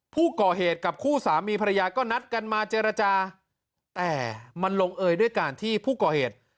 ผู้ก่อเหตุกับคู่สามีภรรยาก็นัดกันมาเจรจาแต่มันลงเอยด้วยการที่ผู้ก่อเหตุ